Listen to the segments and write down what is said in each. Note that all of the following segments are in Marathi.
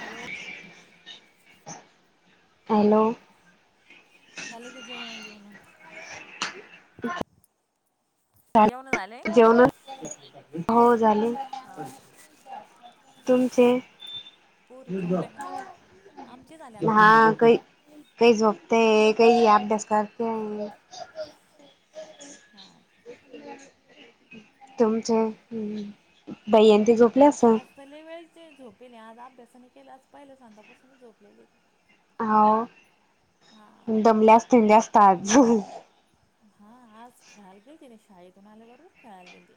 Hello hello. झाले का जेवण बिवण? जेवण झाले. जेवण हो झाले हा तुमचे? पोरी झोपल्या काय आमचे झाले आत्ताच हा काय? काही झोपते काही अभ्यास करते हा का तुमचे भैय्या ते झोपले आमचे असेल? आज लय वेळीचे ज झोपले आज अभ्यासने केलं आज पहिलं सांतापासूनच झोपलेले ते हो दमल्या असते जास्त आज हा आज खेळायला गेल तिने शाळेतून आल्या बरोबर खेळायला गेल ते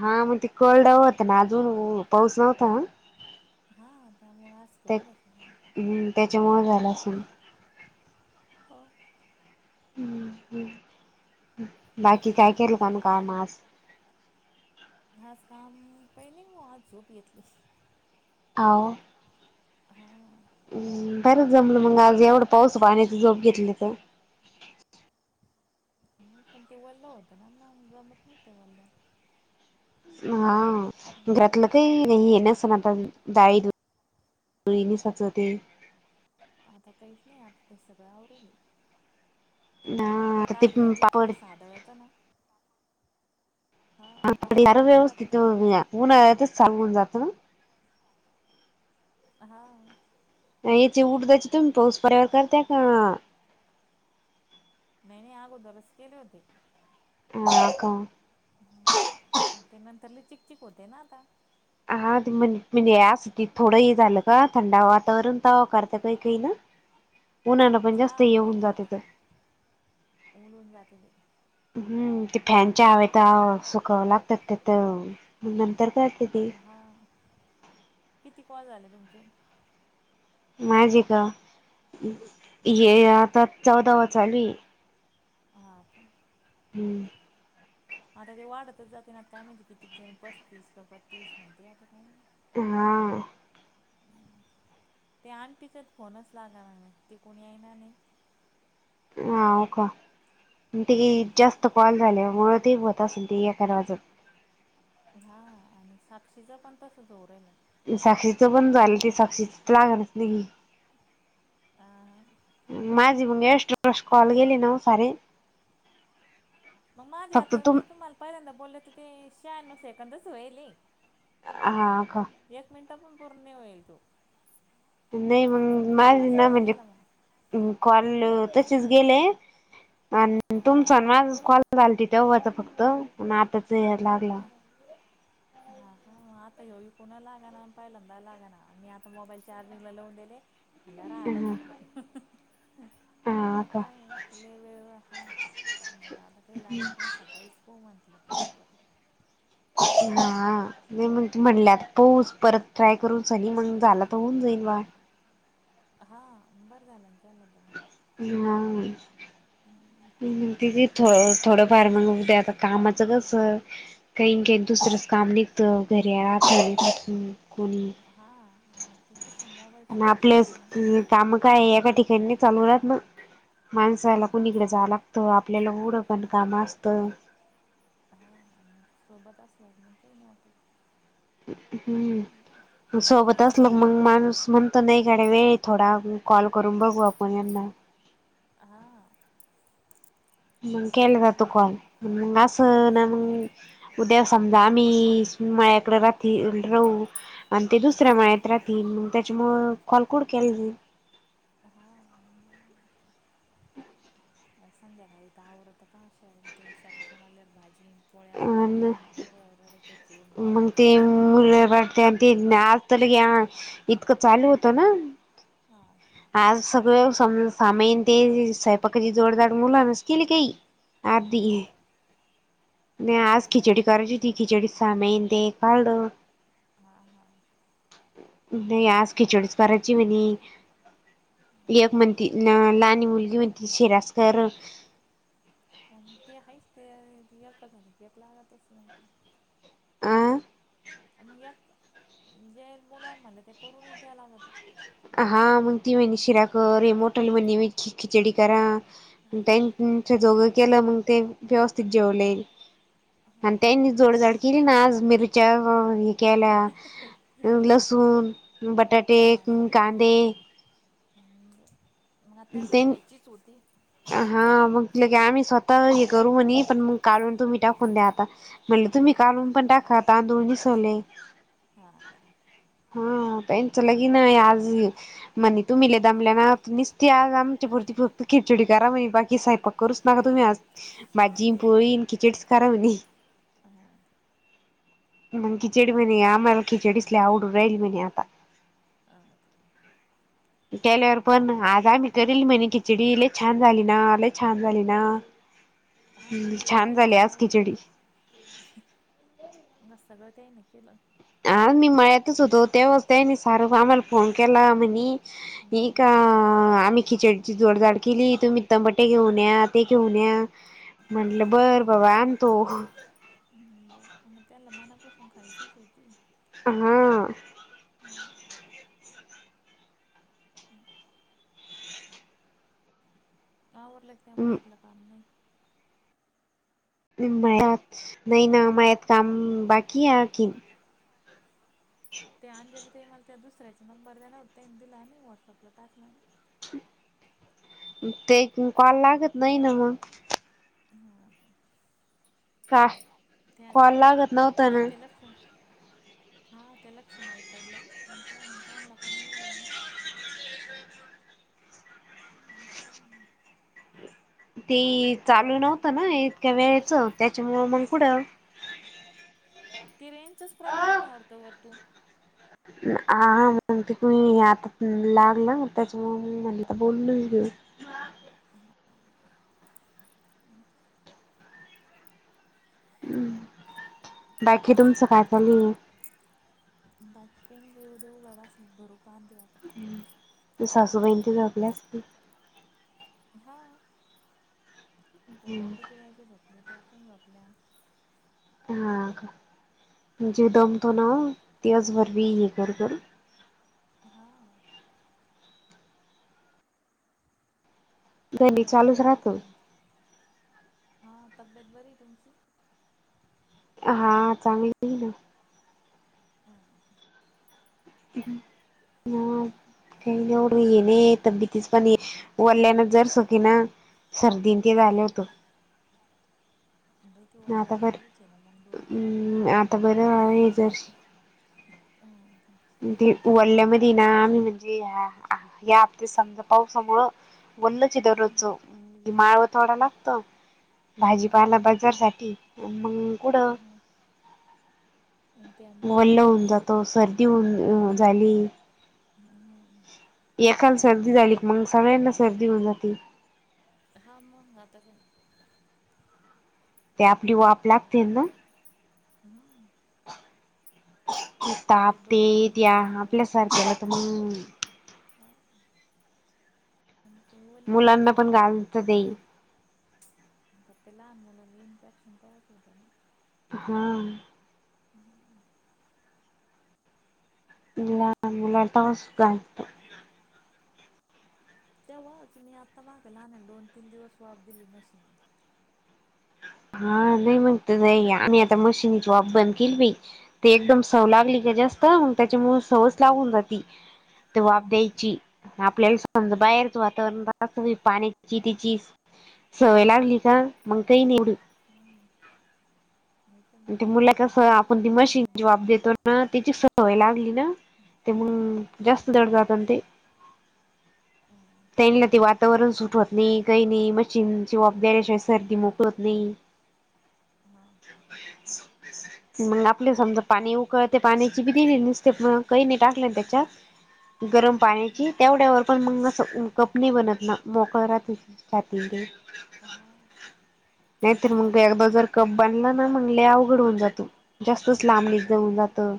हा मग ते कोरड होतं ना अजून पाऊस नव्हता हा त्यामुळें ते आजथळून घातलं नाही त्याच्यामुळे झालं असेल हो. बाकी काय केल काण कामस घास काम प नाही ग आज झोप येतली ह हा बरंच जमलं मग आज एवढं पाऊस पाण्याची झोप घेतली तर पण ते वलं होतं ना मग जमतं नव्हते वल्या हा घरातलं काही नाही हे नच नाता जाळी नाही साचवते आता काहीच नाही आता ते सगळं आवरलं आता हा ते काढलं बीत पापड पे सादळायचा ना हा ते हर सादळून जातं व्यवस्थित तेव्हा उन्हाच सांगून जातं ना हा याची उडदाची तुम्ही पाऊस पडल्यावर करता का? नाही नाही अगोदरस केले होते मग काय? ते नंतर लय चिकचक होते ना आता? हा ते म्हण म्हणजे यासाठी थोडं हे झालं का थंडा वातावरण तावा करता काही काही ना उन्हाना पण जास्त हा काही येऊन जाते करते तर उलून जाते ते हम्म ती फॅनच्या हवेत तर सुकावं लागतात तेथ नंतर काते ती हां किती कॉल झाले तुमचे? माझे का हे हां आता चौदावा चालू आहे हा का हम्म. आता ते वाट आता जाता नात काय मी ते कितती जण पस्तीस क पत्तीसणते आता काय माहित हा. ते आणटीच्यात फोनच लागणार नाही ते कोणी येणार नाही हा का ते जास्त कॉल झाले मुळं ते होत असेल ती एकावाजत हा आणि साक्षीचा पण तसं होऊ राहिलंय साक्षीचं पण झालं ते साक्षीचच लागणारच नाही आ माझी मग एस कॉल गेली ना सारे मग माझे फक्त आता तुम मी तुम्हाला पहिल्यांदा बोलले तर ते [unintelligible] सेकंदच वायलय. हा का. एक मिनटं पण पूर्ण नई होईल तू. नाही. मग माझ ना म्हणजे गेला मग कॉल तसेच गेले आणि हा तुमचा माझा कॉल झालं, तिथं वज फक्त म आताच हेज्यावर लागला. हा हा का, आता या वेळी कुणा लाग ना पहिल्यांदा लावून मी आता मोबाईल चार्जिंग लावून दिले. मला राहत ह झोपून [unintelligible] हा मग का काय तिले वेळ हा म्हणलं आता काय लागत नाही, सकाळीच हु म्हटलं पुर्ण करू. हम हा, नाही होत म्हणल्यात तुच परत, ट्राय करून [unintelligible] मग झालं तर होऊन जाईल बा. हा, बरं झालं केलं त म. हा, ती म्हणती की थो अंजली ते -थोडं जॉब फार मग द्या आता कामाचं कसं काहीन काही दुसरसचं काम निघत घरी आ [unintelligible] कोणी. हा, आण ते कसं मोबाईल आणि सोबत राहत आपलेच नाही ना. काम काय एका ठिकाणी नाही चालू राहत बघं, हा माणसाला कुणीकडं जायला तो आपल्याला कुठं पण काम असतं. हा आणि सोबत असलं कि, मग काही नाही वाटतं. हम्म, सोबत असलं मग माणूस म्हणतं नाही, हिच्याकडं वेळ आहे आपण थोडा कॉल करून बघू आपण यांना. हा. मग केलं जातो कॉल मग, असं ना मग उद्या समजा, आम्ही मळ्या कडे राहती राहू आणि ते दुसऱ्या मळ्यात राहते मग, त्याच्या मुळे काँल कुठं केला नाही. हा, मग. आ संध्याकाळी त आवरत का, शे ते शेतातून आल्यावर भाजी पोळ्या अ भांडे पूर रड त्याची मग ते [unintelligible] आणि ते आज [unintelligible] इतकं चालू होतं ना. हा. आज सगळं सम- सामायन ते स्वयंपाकाची जोडदार मुलांनचं केली की. बरं. नाही आज खिचडी करायची होती, खिचडी सामायन ते काढलं. हा हा. नाही आज खिचडीचं करायची म्हणे. लेक हां म्हणती न-लहानी मुलगी म्हणती शिराचं कर. ते आहेच ते य एकचं झालं, घेतला तर सांगतो. आ. मग एक जे बोलाला म्हणाले ते, करूनच द्याय लागत. हा मग, ती म्हणती शिरा कर हे मोठल बहिणी म्हण म खिचडी करा. त्यांच दोघं केलं मग ते व्यवस्थित जेवले. आणि त्यांनी जोडजाड केली ना, आज मिरच्या हे केल्या अ लसूण, बटाटे, हां का कांदे हम्म, मग त्यानला ते खायचीच होती. हा म्हटलं की, आम्ही स्वतः हे करू म्हणे पण मग काढून तुम्ही टाकून द्या आता. म्हटलं तुम्ही हां का कालून पण टाका [unintelligible] मी सोलेन. हा का, हा, ताईच लगीन हाय, आत यु म्हणे तुम्ही लय दमल्या ना निसती आज आमच्या पुरती फक्त खिचडी करा, म्हणे बाकी स्वयंपाक करूच नका तुम्ही, आज भाजी अण पोळी, खिचडीचं करा म्हणे. ह [inaudible] मंग खिचडी म्हणे आम्हाला खिचडीच लई आवडून राहिली म्हणे आता ह [inaudible] केल्यावर पण आज आम्ही करील म्हणे खिचडी लय छान झाली ना लय छान झाली ना हा हम्म मग आता छान झाली त्यांची आज आवड खिचडी आहे मग सगळं ते आहे ना केलं आ मी मळ्यातंच होतो तेव्हाच त्यांनी सार्व आम्हाला फोन केला म्हणी हम्म इ का आम्ही खिचडीची जोडझाड केली तुम्ही टमाटे घेऊन या ते घेऊन या हा म्हटलं का बंर बाबा आणतो बरं त्याला मनापासून खायचीच होती हा आवरलाट काय मळ्यातलं काम नाही मळ्यात नाही ना मळ्यात काम बाकी आहे की ते अंजेली ताई मला त्या दुसऱ्याचा नंबर देणार होते आणि तुला मी व्हॉट्सअपला टाकणार ते कॉल लागत नाही ना मग हा का का त्या तिक कॉल लागत नव्हता नई ना त्या लक्ष्मी हा त्या लक्ष्मी आई कडल्या त्यावेळी त्यांन्ला पण येली म्हण करा म्हणे ते चालू नव्हतं ना इतक्या वेळेचं त्याच्यामुळे मंग पुढं ती रेंजचाच प्रॉब्लेम आहे वाटतं वरतून आ मग ते ती आता लागलं त्याच्यामुळे म मला तर बोलूनंच घेऊ हम् बाकी तुमचं काय चालू हाय [unintelligible] सासूबाई ते झोपल्या असतील हा पोर्या किती वेळची झोपल्या त्या पण झोपल्या हा का जे हम्म. दमतो ना दिवसभर हे कर कर हा गली तब्येत चालूच बरी आहे राहतो का तुमची हा तब्येत बरी आहे तुमची हा चांगली आहे ना हा हा [unintelligible] सर्दीनं ते झालं होतं बेटी वल्ल आता बर चालूच आहे ना मग दोन तीन दिवसांनी आता बंरं आहे जरशी हा ते वल्यामध्ये ना आम्ही म्हणजे या हते समजा पावसामुळं वल्लचं हम्म दररोजचं माळवं तोडाव लागत हा भाजीपाला बाजारसाठी मंग कुढं हा त्यामुळे वल्ल होऊन तेच जातं सर्दी होऊन झाली हा एकाला सर्दी झाली मंग सगळ्यांना सर्दी होऊन जाते हा मंग आता का ते आपली वाफ लागती ना हा ताप ते तेे डोकं वल्ल येत्या होतं आपल्या वर सारख्याला तर मंग हा आणि ते वल्ल मुलांना झालं का पण म्हणजे गालतं ते त ते लहान मुलांना इन्फेक्शन तर होतं ना हा [inaudible] तेव्हाच मी आता माझ्या लहान्याला दोन तीन दिवस वाफ दिली मशीनी हा नाही म्हणत नाही आम्ही आता मशीनीची वाफ बंद केली बाई ते एकदम सवय लागली का जास्त मग त्याच्यामुळेळ सवय लागून जाती जबाब द्यायची आपल्याला समजा बाहेरच वातावरण रास्त पाण्याची तिची सवय लागली का मग ही निवडी नाही ते मग ते मुला कस जमत नाही आपण तर ती मग मशीन आम्ही जॉब देतो त्याची सवय लागली ना ते म्हून जास्त दड जात ते हा त्यांनीला ते वातावरण सुटवत नाही काही नाही मशीन जबाबदऱशिवाय सर्दी मोकळत नाही हा हा [inaudible] [inaudible] मग आपले समजा पाणी उकळते पाण्याची बी दिणे नुसते प कही नाही टाकले ना त्याच्यात गरम पाण्याची तेवढ्यावर पण मग कपनी बनत ना मोकळ राहते पाात ते हा नाहीत मग एकदा जर कप बांधलं म म्हगले अवघड होऊन जातो जास्तच लांबणीच देऊन जातं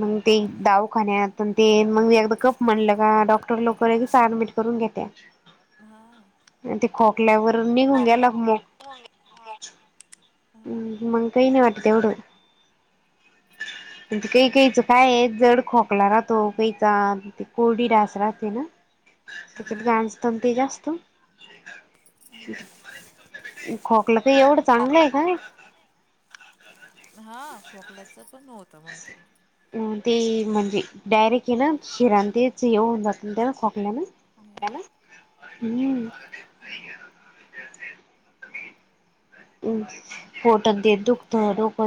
मग ते दावखानून ते मग कप म्हणलं का डॉक्र र लवकर अऍडमिट करून घेत्या हा ते खोकल्यावर निघून गेला मग [inaudible] हम् मंग काही नाही वाटत तेवढं म्हण ते काही काहीचं काय आहे जड खोकला राहतो काहीचा कोरडी डास राहते ना ह हा हा तच्या हा गसत ते जास्त खोकला ते एवढं चांगलंय काय हां खोकलाचं पण हो् हतं मग ते अ ते म्हणजे डायरेक्ट हे ना शिराण तेच येऊन जात त्या खकल्यान ह मड ना हम्म म् फोटर दे दुखतडोक